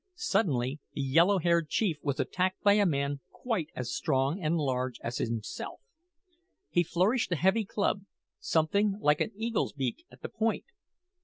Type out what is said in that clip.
Suddenly the yellow haired chief was attacked by a man quite as strong and large as himself. He flourished a heavy club, something like an eagle's beak at the point.